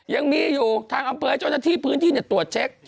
ยังมีอยู่ทางอำเภอให้เจ้าหน้าที่พื้นที่ตรวจเช็ค